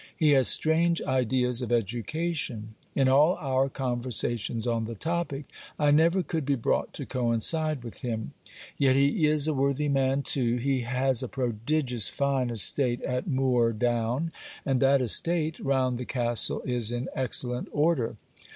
He has strange ideas of education. In all our conversations on the topic, I never could be brought to coincide with him. Yet he is a worthy man too. He has a prodigious fine estate at Moor Down; and that estate round the castle is in excellent order.